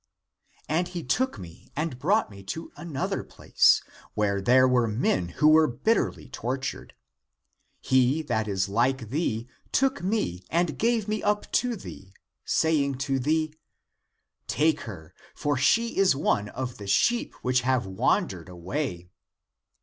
And he took me and brought me to an other place, where there were men who were bit terly tortured. He that is like thee took me and gave me up to thee, saying to thee, Take her, for she is one of the sheep which have wandered away.